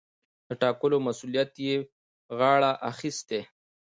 د ټاکلو مسووليت يې پر غاړه اخىستى.